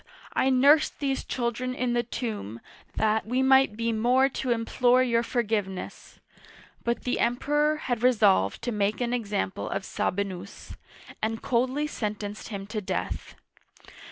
I nursed these children in the tomb, that we might be more to implore your forgiveness !But the Emperor had resolved to make an example of Sabi nus, and coldly sentenced him to death.